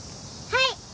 はい！